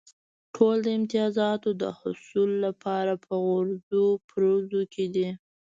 ټول د امتیازاتو د حصول لپاره په غورځو پرځو کې دي.